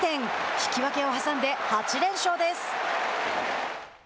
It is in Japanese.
引き分けを挟んで８連勝です。